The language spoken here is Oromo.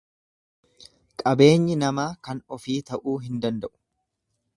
Qabeenyi namaa kan ofi ta'uu hin danda'u.